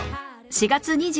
４月２２日